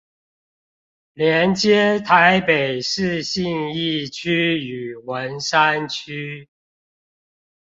連接臺北市信義區與文山區